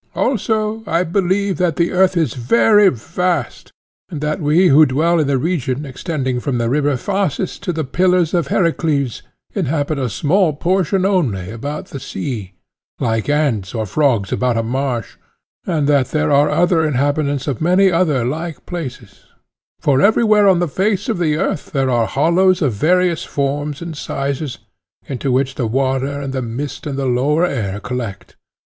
Also I believe that the earth is very vast, and that we who dwell in the region extending from the river Phasis to the Pillars of Heracles inhabit a small portion only about the sea, like ants or frogs about a marsh, and that there are other inhabitants of many other like places; for everywhere on the face of the earth there are hollows of various forms and sizes, into which the water and the mist and the lower air collect.